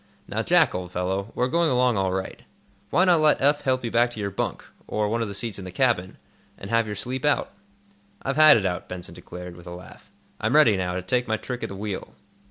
Now, Jack, old fellow, we're going along all right. Why not let Eph help you back to your bunk, or one of the seats in the cabin, and have your sleep out?" "I've had it out," Benson declared, with a laugh. "I'm ready, now, to take my trick at the wheel."